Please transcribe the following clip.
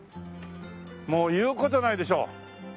もう言う事ないでしょ。